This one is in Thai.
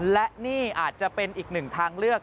และนี่อาจจะเป็นอีกหนึ่งทางเลือก